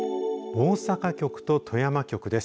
大阪局と富山局です。